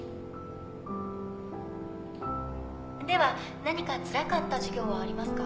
では何かつらかった授業はありますか？